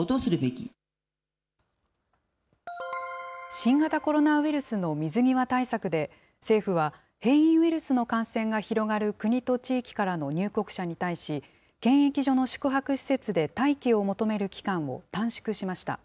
新型コロナウイルスの水際対策で政府は、変異ウイルスの感染が広がる国と地域からの入国者に対し、検疫所の宿泊施設で待機を求める期間を短縮しました。